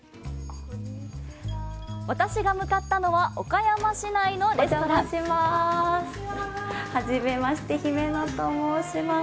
私が向かったのは岡山市内のレストランおじゃまします。